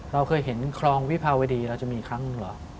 เราเคยเห็นคลองวิภาวดีเราจะมีครั้งหนึ่งเหรอ